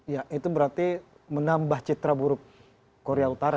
ya itu berarti menambah citra buruk korea utara